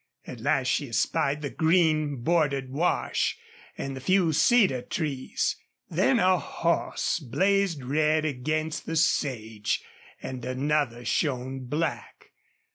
At last she espied the green bordered wash and the few cedar trees. Then a horse blazed red against the sage and another shone black.